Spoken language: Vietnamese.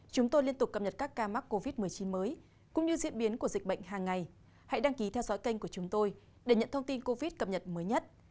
các bạn hãy đăng ký kênh của chúng tôi để nhận thông tin cập nhật mới nhất